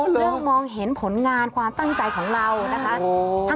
เรื่องมองเห็นผลงานความตั้งใจของเรานะคะ